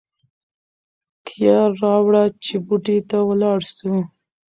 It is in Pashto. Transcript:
کیه راوړه چې بوټي ته ولاړ شو.